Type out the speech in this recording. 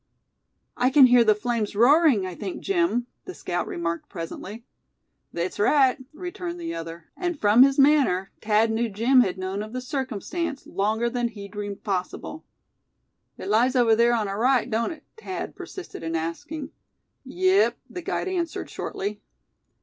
"I can hear the flames roaring, I think, Jim!" the scout remarked, presently. "Thet's rite," returned the other; and from his manner Thad knew Jim had known of the circumstance longer than he dreamed possible. "It lies over there on our right, don't it?" Thad persisted in asking. "Yep," the guide answered, shortly.